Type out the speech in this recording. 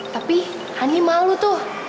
tapi ani malu tuh